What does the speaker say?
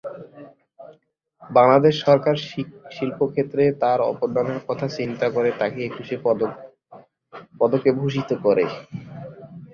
বাংলাদেশ সরকার শিল্পক্ষেত্রে তার অবদানের কথা চিন্তা করে তাকে একুশে পদকে ভূষিত হন।